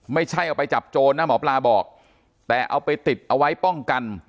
ไม่ใช่เอาไปจับโจรนะหมอปลาบอกแต่เอาไปติดเอาไว้ป้องกัน